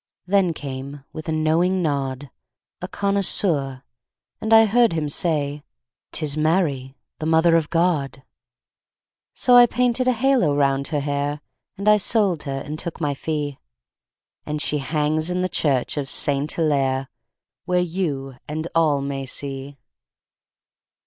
Then came, with a knowing nod, A connoisseur, and I heard him say; "'Tis Mary, the Mother of God." So I painted a halo round her hair, And I sold her and took my fee, And she hangs in the church of Saint Hillaire, Where you and all may see.